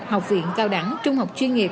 học viện cao đẳng trung học chuyên nghiệp